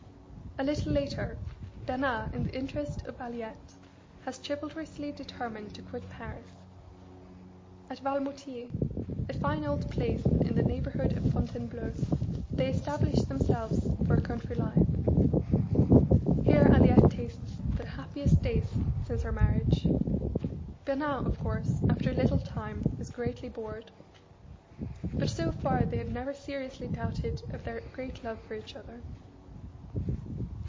A little later, Bernard, in the interest of Aliette, has chivalrously determined to quit Paris. At Valmoutiers, a fine old place in the neighbourhood of Fontainebleau, they established themselves for a country life. Here Aliette tastes the happiest days since her marriage. Bernard, of course, after a little time is greatly bored. But so far they have never seriously doubted of their great love for each other.